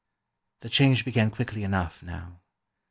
The change began quickly enough, now.